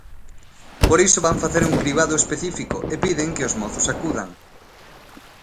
Por iso van facer un cribado específico e piden que os mozos acudan.